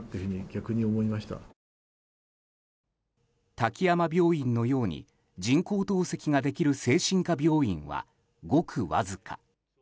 滝山病院のように人工透析ができる精神科病院はごくわずか。